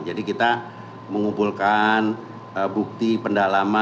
jadi kita mengumpulkan bukti pendalaman